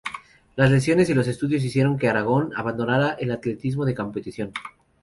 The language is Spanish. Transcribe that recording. Las lesiones y los estudios hicieron que Aragón abandonara el atletismo de competición.